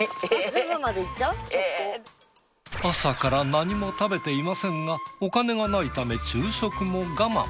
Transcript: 朝から何も食べていませんがお金がないため昼食も我慢。